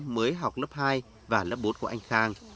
mới học lớp hai và lớp bốn của anh khang